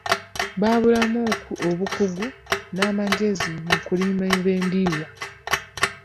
Babulamu obukugu n'amagezi mu kulima enva endiirwa.